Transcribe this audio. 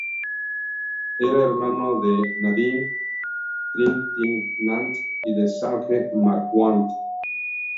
Era hermano de Nadine Trintignant y de Serge Marquand.